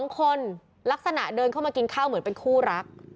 ๒คนลักษณะเดินเข้ามากินข้าวเหมือนเป็นคู่รัก